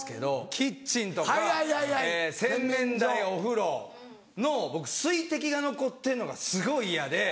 キッチンとか洗面台お風呂の僕水滴が残ってんのがすごい嫌で。